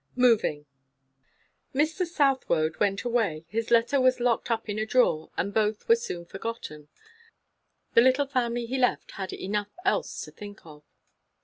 MOVING. Mr. Southwode went away, his letter was locked up in a drawer, and both were soon forgotten. The little family he left had enough else to think of.